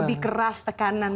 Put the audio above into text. lebih keras tekanan